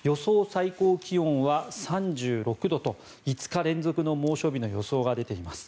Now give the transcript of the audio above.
最高気温は３６度と５日連続の猛暑日の予想が出ています。